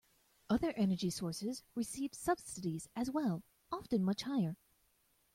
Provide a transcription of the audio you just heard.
Other energy sources receive subsidies as well, often much higher.